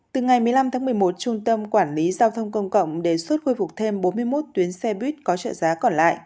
từ ngày một mươi năm tháng một mươi một trung tâm quản lý giao thông công cộng đề xuất khôi phục thêm bốn mươi một tuyến xe buýt có trợ giá còn lại